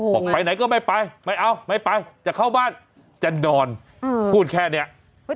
ไปไหนก็ไม่ไปไม่เอาไม่ไปจะเข้าบ้านจะนอนพูดแค่นี้